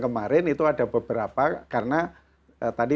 kemarin itu ada beberapa karena tadi